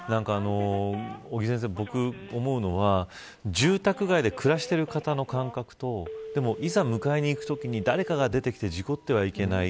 尾木先生、僕が思うのは住宅街で暮らしている方の感覚といざ迎えに行くときに誰かが出てきて事故ってはいけない。